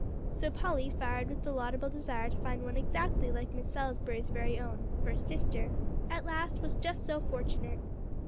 So Polly, fired with the laudable desire to find one exactly like Miss Salisbury's very own, for "sister," at last was just so fortunate.